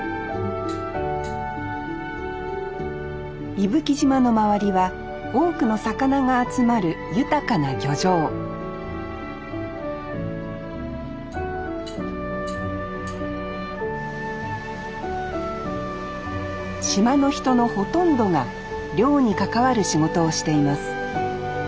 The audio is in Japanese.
伊吹島の周りは多くの魚が集まる豊かな漁場島の人のほとんどが漁に関わる仕事をしています